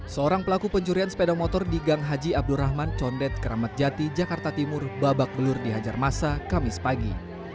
seorang pelaku pencurian sepeda motor di gang haji abdul rahman condet keramatjati jakarta timur babak belur di hajar masa kamis pagi